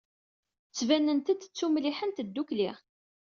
Ttbanent-d d tumliḥent ddukkli.